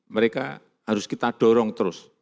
mereka harus kita dorong terus